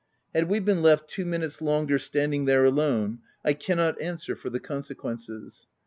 Had we been left two minutes longer, standing there alone, I cannot answer for the consequences.